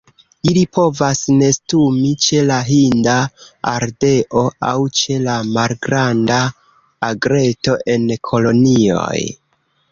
Ili povas nestumi ĉe la Hinda ardeo aŭ ĉe la Malgranda egreto en kolonioj.